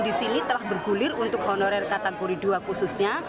di sini telah bergulir untuk honorer kategori dua khususnya